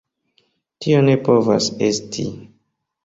Tio ne povas esti.